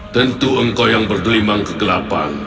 tentu engkau yang bergelimang kegelapan